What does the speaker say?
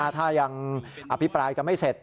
ถ้ายังอภิปรายกันไม่เสร็จ